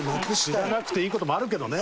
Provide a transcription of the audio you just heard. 知らなくていい事もあるけどね。